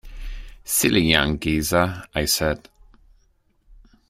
"Silly young geezer," I said.